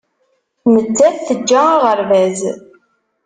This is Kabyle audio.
Nettat teǧǧa aɣerbaz.